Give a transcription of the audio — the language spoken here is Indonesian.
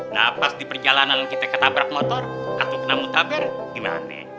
ya jadi perjalanan kita ke tabrak motor atau ke namun taber gimane